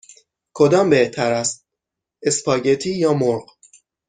کدام بهتر است: اسپاگتی یا مرغ؟